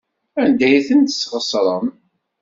Anda ay tent-tesɣesrem?